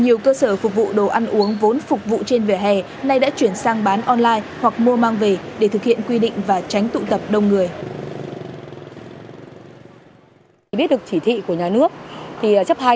nhiều cơ sở phục vụ đồ ăn uống vốn phục vụ trên vỉa hè nay đã chuyển sang bán online hoặc mua mang về để thực hiện quy định và tránh tụ tập đông người